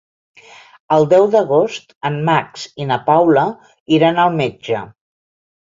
El deu d'agost en Max i na Paula iran al metge.